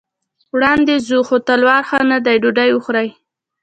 وړاندې ځو، خو تلوار ښه نه دی، ډوډۍ خورئ.